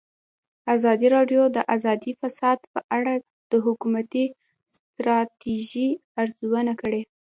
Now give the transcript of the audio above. ازادي راډیو د اداري فساد په اړه د حکومتي ستراتیژۍ ارزونه کړې.